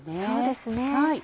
そうですね。